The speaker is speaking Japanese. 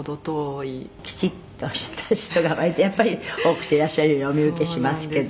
「きちっとした人が割とやっぱり多くていらっしゃるようにお見受けしますけど」